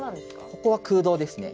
ここは空洞ですね。